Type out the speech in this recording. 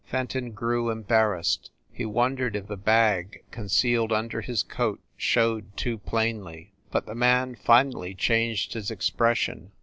Fenton grew embarrassed; he wondered if the bag, concealed under his coat, showed too plainly. But the man finally changed his expression.